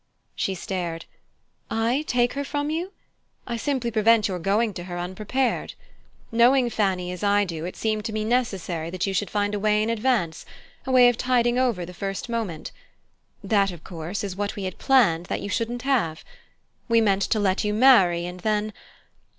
She stared. "I take her from you? I simply prevent your going to her unprepared. Knowing Fanny as I do, it seemed to me necessary that you should find a way in advance a way of tiding over the first moment. That, of course, is what we had planned that you shouldn't have. We meant to let you marry, and then